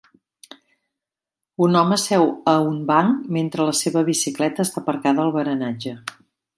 Un home seu a un banc mentre la seva bicicleta està aparcada al baranatge.